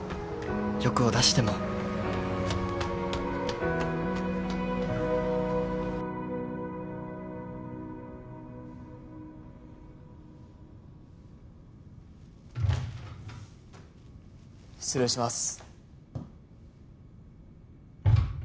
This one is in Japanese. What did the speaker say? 欲を出しても失礼します。